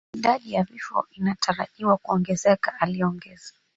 Idadi ya vifo inatarajiwa kuongezeka, aliongeza